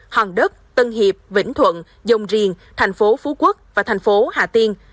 hòn đất tân hiệp vĩnh thuận dông riền tp phú quốc và tp hà tây